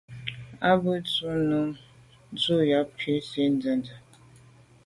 À bə́ á dʉ̀’ zə̄ bú nǔ yáp cû nsî rə̂ tsə̂də̀.